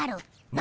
何！？